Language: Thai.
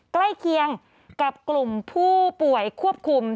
ใกล้เคียงกับกลุ่มผู้ป่วยควบคุม